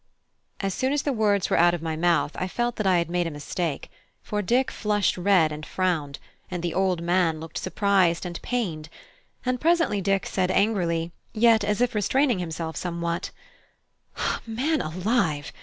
As soon as the words were out of my mouth, I felt that I had made a mistake, for Dick flushed red and frowned, and the old man looked surprised and pained; and presently Dick said angrily, yet as if restraining himself somewhat "Man alive!